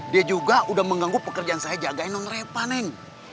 dia juga udah mengganggu pekerjaan saya jagain nurefa neng